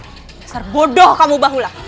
besar bodoh kamu bahula